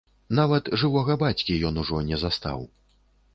Нават жывога бацькі ён ужо не застаў.